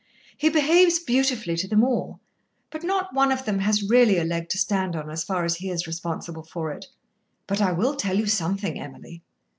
"He behaves beautifully to them all, but not one of them has really a leg to stand on as far as he is responsible for it. But I will tell you something, Emily."